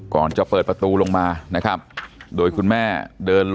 ก่อนจะเปิดประตูลงมานะครับโดยคุณแม่เดินลงมาที่นี่นะครับ